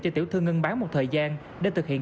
cho tiểu thư ngân bán một thời gian để thực hiện